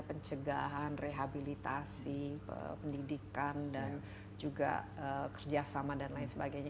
pencegahan rehabilitasi pendidikan dan juga kerjasama dan lain sebagainya